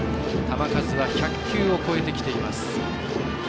球数１００球超えてきています。